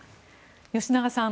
吉永さん